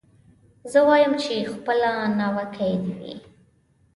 زه وايم چي خپله ناوکۍ دي وي